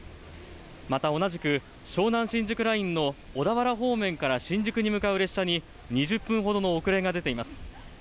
また同じく、湘南新宿ラインの小田原方面から新宿に向かう列車に、２０分ほどの遅れが出ています。